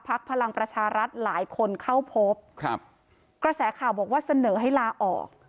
พลังประชารัฐหลายคนเข้าพบครับกระแสข่าวบอกว่าเสนอให้ลาออก